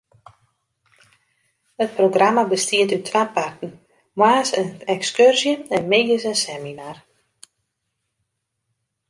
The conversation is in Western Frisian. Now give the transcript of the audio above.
It programma bestiet út twa parten: moarns in ekskurzje en middeis in seminar.